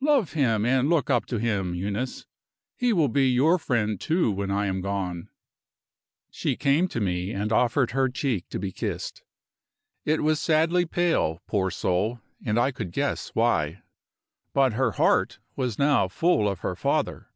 Love him, and look up to him, Eunice. He will be your friend, too, when I am gone." She came to me and offered her cheek to be kissed. It was sadly pale, poor soul and I could guess why. But her heart was now full of her father.